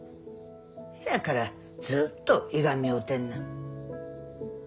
せやからずっといがみ合うてんねん。